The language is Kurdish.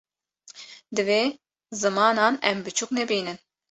Divê zimanan em piçûk nebînin